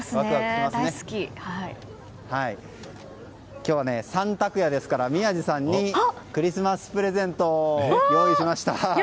今日はサンタクヤですから宮司さんにクリスマスプレゼントを用意しました。